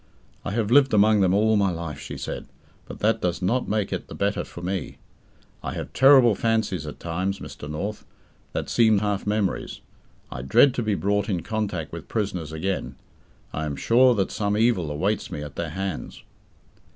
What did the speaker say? "I have lived among them all my life," she said, "but that does not make it the better for me. I have terrible fancies at times, Mr. North, that seem half memories. I dread to be brought in contact with prisoners again. I am sure that some evil awaits me at their hands."